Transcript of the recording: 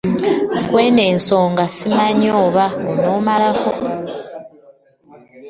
Kw'eno ensonga simanyi oba onaamalako.